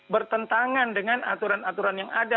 bertentangan dengan aturan aturan yang ada